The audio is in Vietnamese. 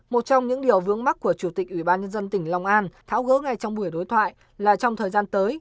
một trong những điều vướng mắt của chủ tịch ubnd tỉnh long an tháo gỡ ngay trong buổi đối thoại là trong thời gian tới